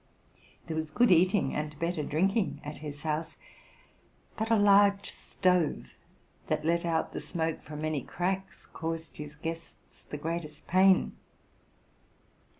There was good eating and better drinking at his house. Buta large stove, that let out the smoke from many cracks, caused his guests the greatest pain.